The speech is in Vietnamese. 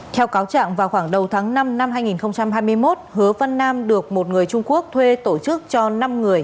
theo cáo trạng vào khoảng đầu tháng năm năm hai nghìn hai mươi một hứa văn nam được một người trung quốc thuê tổ chức cho năm người